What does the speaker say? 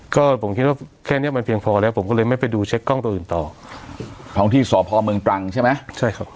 ก็ผมคิดว่าแค่เนี้ยมันเพียงพอแล้วผมก็เลยไม่ไปดูเช็คกล้องตัวอื่นต่อท้องที่สพเมืองตรังใช่ไหมใช่ครับ